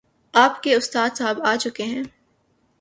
آپ کے استاد صاحب آ چکے ہیں